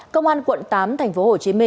công an quận tám tp hcm